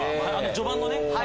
序盤のね。